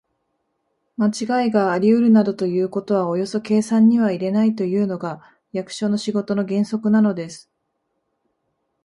まちがいがありうるなどということはおよそ計算には入れないというのが、役所の仕事の原則なのです。